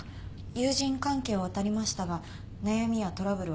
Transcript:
友人関係をあたりましたが悩みやトラブルは聞こえてきません。